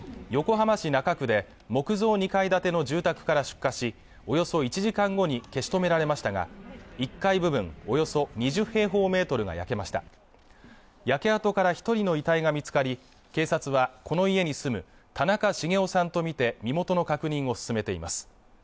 横浜市中区で木造２階建ての住宅から出火しおよそ１時間後に消し止められましたが１階部分およそ２０平方メートルが焼けました焼け跡から一人の遺体が見つかり警察はこの家に住む田中重男さんと見て身元の確認を進めています